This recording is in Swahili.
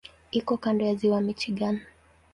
Iko kando ya Ziwa Michigan.